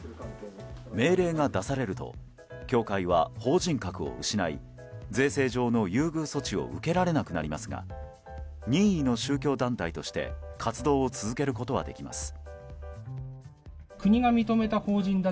命令が出されると教会は法人格を失い税制上の優遇措置を受けられなくなりますが任意の宗教団体として活動を続けることはできます。